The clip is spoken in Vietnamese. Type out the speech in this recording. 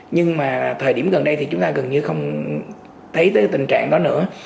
nhưng mà thời điểm gần đây thì chúng ta gần như không thấy tới tình trạng đó nữa